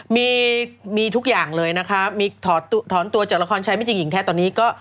มีทุกอย่างเลยนะคะมีถอนตัวจากละครชัยไม่จริงหญิงแท้ตอนนี้ก็